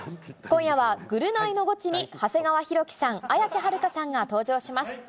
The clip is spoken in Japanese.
今夜は、ぐるナイのゴチに、長谷川博己さん、綾瀬はるかさんが登場します。